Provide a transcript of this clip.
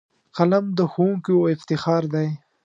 قلم د ښوونکیو افتخار دی